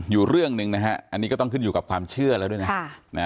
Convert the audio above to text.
อยู่เรื่อง๑อันนี้ก็ขึ้นอยู่กับความเชื่อแล้วด้วยนะ